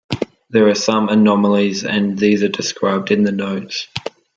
There are some anomalies and these are described in the notes.